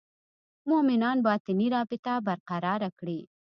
مومنان باطني رابطه برقراره کړي.